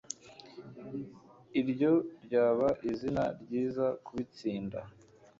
Iryo ryaba izina ryiza kubitsinda